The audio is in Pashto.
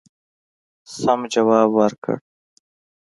سم جواب ورکړ.